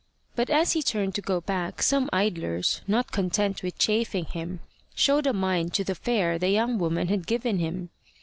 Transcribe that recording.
But as he turned to go back, some idlers, not content with chaffing him, showed a mind to the fare the young woman had given him.